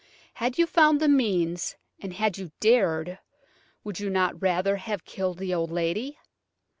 Had you found the means, and had you dared, would you not rather have killed the old lady?